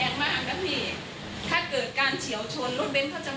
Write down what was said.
เนี่ยค่ะแล้วก็มีผู้ที่เห็นเหตุการณ์เขาก็เล่าให้ฟังเหมือนกันนะครับ